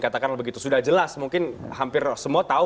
katakanlah begitu sudah jelas mungkin hampir semua tahu